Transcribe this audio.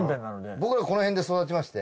僕らこのへんで育ちまして。